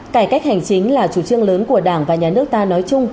cải cách hành chính là chủ trương lớn của đảng và nhà nước ta nói chung